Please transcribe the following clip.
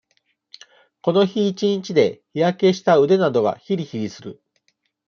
この日一日で、日焼けをした腕などが、ひりひりする。